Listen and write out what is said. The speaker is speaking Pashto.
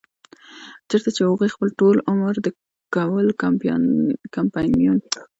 چرته چې هغوي خپل ټول عمر د کول کمپنيانو سره